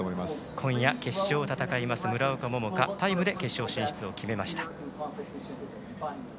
今夜、決勝を戦います村岡桃佳タイムで決勝進出を決めました。